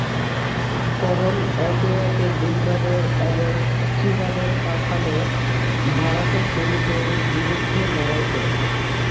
করণ একে একে গুন্ডাদের এবং চীনাদের পাঠানো ভাড়াটে খুনিদের বিরুদ্ধে লড়াই করে।